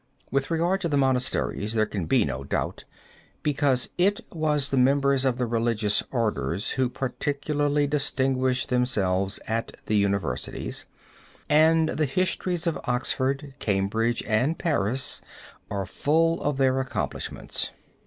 With regard to the monasteries there can be no doubt, because it was the members of the religious orders who particularly distinguished themselves at the universities, and the histories of Oxford, Cambridge, and Paris are full of their accomplishments.